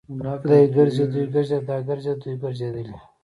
دی ګرځي. دوی ګرځيدل. دا ګرځيده. دوی ګرځېدلې.